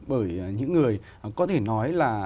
bởi những người có thể nói là